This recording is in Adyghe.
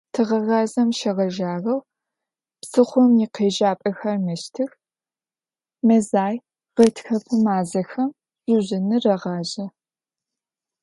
Тыгъэгъазэм щегъэжьагъэу псыхъом икъежьапӏэхэр мэщтых, мэзай – гъэтхэпэ мазэхэм жъужьыныр рагъажьэ.